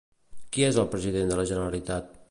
Qui és el president de la Generalitat?